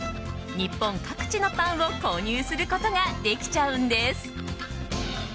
日本各地のパンを購入することができちゃうんです。